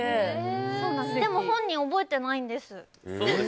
でも本人覚えてないんです。